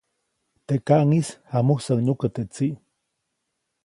Teʼ kaʼŋis jamusäʼuŋ nyukä teʼ tsiʼ.